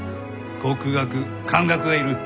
国学漢学がいる。